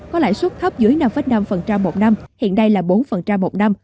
có lãi suất thấp dưới năm năm một năm hiện nay là bốn một năm